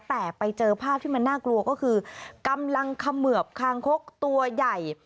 แต่ไปเจอภาพที่มันน่ากลัวก็คือกำลังเขมือบคางคกตัวใหญ่